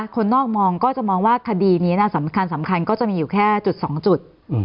คนนอกมองก็จะมองว่าคดีนี้สำคัญก็จะมีอยู่แค่จุด๒จุด